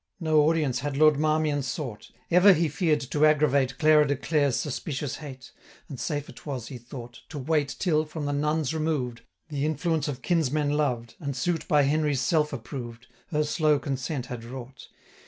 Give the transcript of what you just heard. No audience had Lord Marmion sought; Ever he fear'd to aggravate Clara de Clare's suspicious hate; 815 And safer 'twas, he thought, To wait till, from the nuns removed, The influence of kinsmen loved, And suit by Henry's self approved, Her slow consent had wrought.